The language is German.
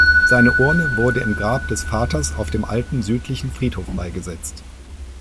Seine Urne wurde im Grab des Vaters auf dem Alten südlichen Friedhof beigesetzt.